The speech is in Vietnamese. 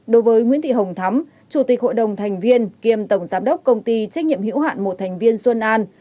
đối với nguyễn thị hồng thắm chủ tịch hội đồng thành viên kiêm tổng giám đốc công ty trách nhiệm hữu hạn một thành viên xuân an